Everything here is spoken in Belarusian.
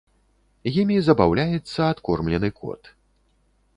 Імі забаўляецца адкормлены кот.